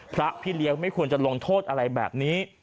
พระพี่เลี้ยงไม่ควรจะลงโทษอะไรแบบนี้